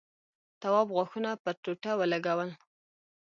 تواب غاښونه پر ټوټه ولگول.